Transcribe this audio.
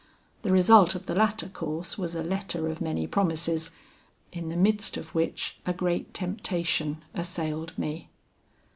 The result of the latter course was a letter of many promises, in the midst of which a great temptation assailed me.